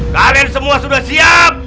kalian semua sudah siap